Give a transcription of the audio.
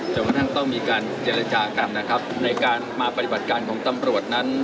จนกระทั่งต้องมีการเจรจากันนะครับในการมาปฏิบัติการของตำรวจนั้น